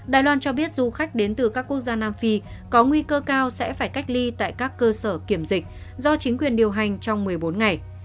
đài loan cho biết du khách đến từ các quốc gia nam phi có nguy cơ cao sẽ phải cách ly tại các cơ sở kiểm dịch do chính quyền điều hành trong một mươi bốn ngày